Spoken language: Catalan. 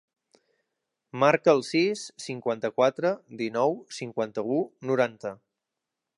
Marca el sis, cinquanta-quatre, dinou, cinquanta-u, noranta.